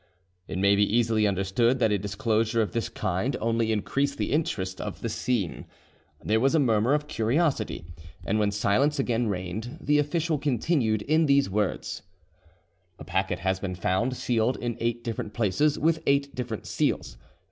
'" It may be easily understood that a disclosure of this kind only increased the interest of the scene; there was a murmur of curiosity, and when silence again reigned, the official continued in these words: "A packet has been found sealed in eight different places with eight different seals.